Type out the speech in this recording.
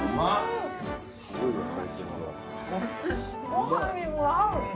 ごはんにも合う。